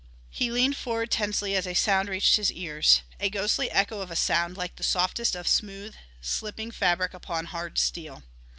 He leaned forward tensely as a sound reached his ears. A ghostly echo of a sound, like the softest of smooth, slipping fabric upon hard steel.